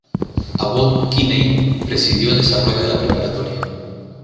Abbot Kinney presidió el desarrollo de la preparatoria.